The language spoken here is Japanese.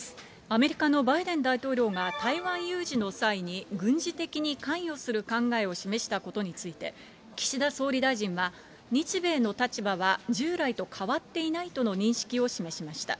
アメリカのバイデン大統領が台湾有事の際に、軍事的に関与する考えを示したことについて、岸田総理大臣は、日米の立場は従来と変わっていないとの認識を示しました。